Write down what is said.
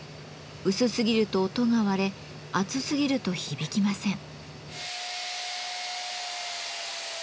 薄すぎると音が割れ厚すぎると響きません。